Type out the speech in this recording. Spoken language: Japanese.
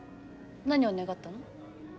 何を願ったの？